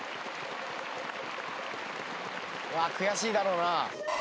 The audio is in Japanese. うわ悔しいだろうな。